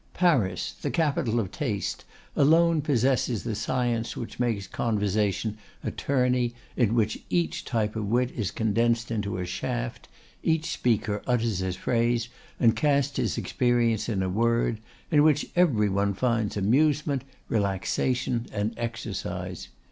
Paris, the capital of taste, alone possesses the science which makes conversation a tourney in which each type of wit is condensed into a shaft, each speaker utters his phrase and casts his experience in a word, in which every one finds amusement, relaxation, and exercise.